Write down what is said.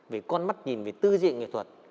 về con mắt nhìn về tư diện nghệ thuật